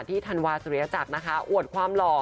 ธันวาสุริยจักรนะคะอวดความหล่อ